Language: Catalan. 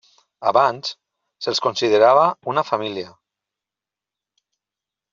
Abans se'ls considerava una família.